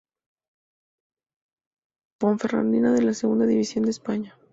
Ponferradina de la Segunda División de España.